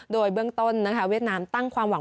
โดยเบื้องต้นนะคะเวียดนามตั้งความหวัง